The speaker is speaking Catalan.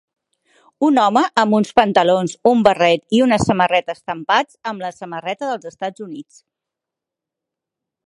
Un home amb uns pantalons, un barret i una samarreta estampats amb la samarreta dels Estats Units.